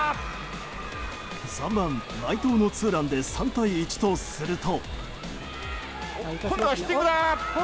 ３番、内藤のツーランで３対１とすると。